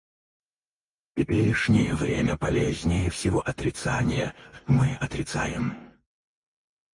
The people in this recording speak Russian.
В теперешнее время полезнее всего отрицание - мы отрицаем.